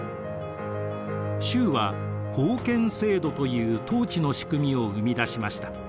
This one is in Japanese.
周は封建制度という統治の仕組みを生み出しました。